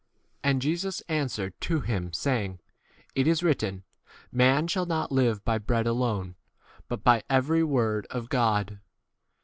And Jesus an swered to him saying, It is written, Man shall not live by bread alone, 5 but by every word of God.